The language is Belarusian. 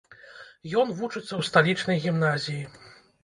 Ён вучыцца ў сталічнай гімназіі.